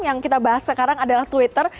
yang kita bahas sekarang adalah twitter